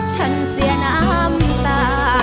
ฉันเสียน้ำตา